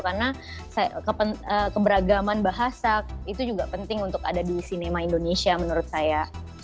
karena keberagaman bahasa itu juga penting untuk ada di sinema indonesia menurut saya